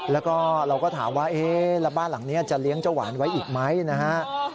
แล้วก็เราก็ถามว่าเอ๊ะแล้วบ้านหลังนี้จะเลี้ยงเจ้าหวานไว้อีกไหมนะฮะ